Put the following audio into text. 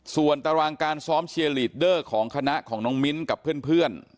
ส่วนตารางการซ้อมเชียร์ลีดเดอร์ของคณะของน้องมิ้นกับเพื่อน